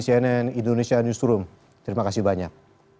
cnn indonesia newsroom terima kasih banyak